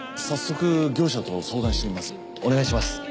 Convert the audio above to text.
早速業者と相談してみます。